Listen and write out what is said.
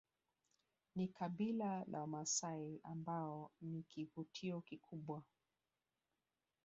ni kabila la wamasai ambao ni kivutio kikubwa